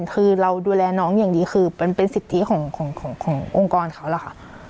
คือเราดูแลน้องอย่างดีคือมันเป็นสิทธิขององค์กรเขาล่ะค่ะ